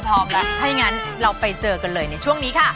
ถ้ายังงั้นเราไปเจอกันเลยในช่วงนี้ค่ะ